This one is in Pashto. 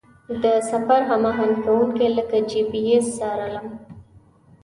د سفر هماهنګ کوونکي لکه جي پي اس څارلم.